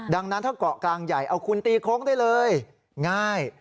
ดังนั้นถ้าเกาะกลางใหญ่เอาคุณตีโค้งได้เลยง่าย